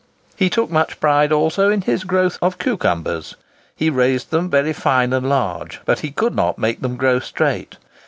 He took much pride also in his growth of cucumbers. He raised them very fine and large, but he could not make them grow straight.